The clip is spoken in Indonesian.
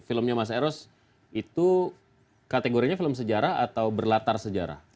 filmnya mas eros itu kategorinya film sejarah atau berlatar sejarah